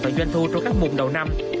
tại doanh thu trong các mùng đầu năm